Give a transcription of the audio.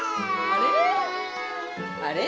あれ？